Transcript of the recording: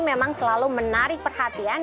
memang selalu menarik perhatian